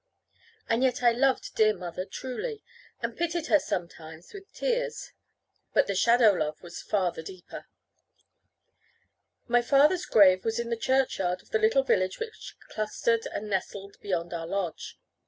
And yet I loved dear mother truly, and pitied her sometimes with tears; but the shadow love was far the deeper. My father's grave was in the churchyard of the little village which clustered and nestled beyond our lodge.